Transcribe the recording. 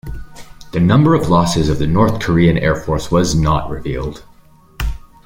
The number of losses of the North Korean Air Force was not revealed.